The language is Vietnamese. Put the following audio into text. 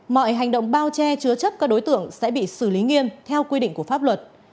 mọi hành động bao che chứa chấp các đối tượng sẽ bị xử lý nghiêm theo quy định của pháp luật